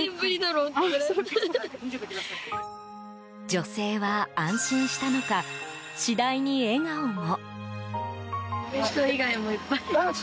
女性は安心したのか次第に笑顔も。